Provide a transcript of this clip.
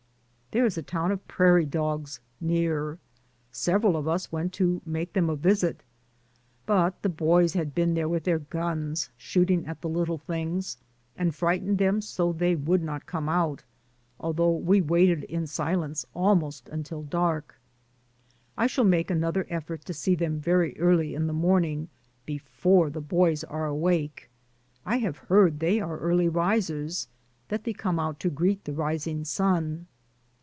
There is a town of prairie dogs near ; several of us went to make them a visit, but the boys had been there with their guns shooting at the little things, and fright ened them so they would not come out, al though we waited in silence until almost dark. I shall make another effort to see them very early in the morning before the boys are awake. I have heard they are early risers, that they come out to greet the rising sun.